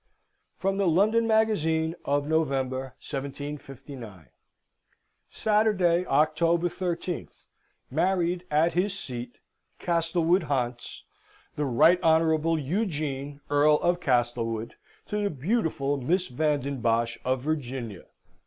From the London Magazine of November 1759: "Saturday, October 13th, married, at his seat, Castlewood, Hants, the Right Honourable Eugene, Earl of Castlewood, to the beautiful Miss Van den Bosch, of Virginia.